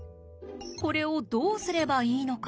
これをどうすればいいのか。